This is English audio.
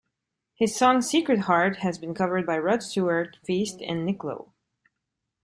His song "Secret Heart" has been covered by Rod Stewart, Feist, and Nick Lowe.